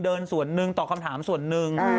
เดินส่วนนึงตอบคำถามส่วนนึง